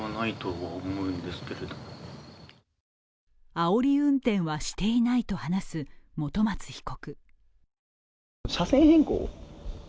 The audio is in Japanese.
あおり運転はしていないと話す本松被告。